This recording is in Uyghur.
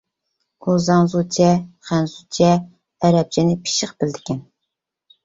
ئۇ زاڭزۇچە، خەنزۇچە، ئەرەبچىنى پىششىق بىلىدىكەن.